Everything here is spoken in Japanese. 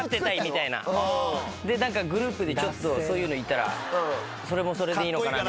グループでそういうのいたらそれもそれでいいのかな。